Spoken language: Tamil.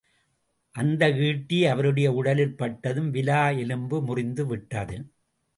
அந்த ஈட்டி அவருடைய உடலில் பட்டதும் விலா எலும்பு முறிந்து விட்டது.